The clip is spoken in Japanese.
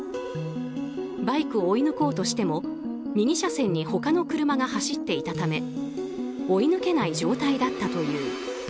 バイクを追い抜こうとしても右車線に他の車が走っていたため追い抜けない状態だったという。